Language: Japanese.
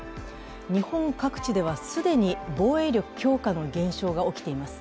日本各地では既に防衛力強化の現象が起きています。